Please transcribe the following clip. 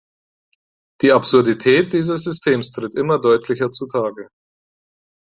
Die Absurdität dieses Systems tritt immer deutlicher zutage.